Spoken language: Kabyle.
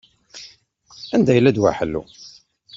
Anda yella ddwa ḥellu?